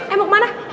eh mau kemana